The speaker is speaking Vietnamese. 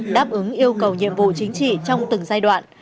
đáp ứng yêu cầu nhiệm vụ chính trị trong từng giai đoạn